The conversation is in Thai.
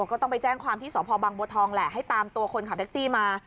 ก็ต้องไปแจ้งความที่สพบังบัวทองแหละให้ตามตัวคนขับแท็กซี่มา